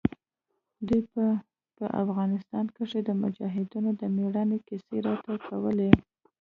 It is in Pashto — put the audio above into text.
دوى به په افغانستان کښې د مجاهدينو د مېړانې کيسې راته کولې.